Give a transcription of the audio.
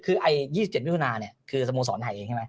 คือ๒๗มิถุนาเนี่ยคือสโมสรไทยเองใช่ไหม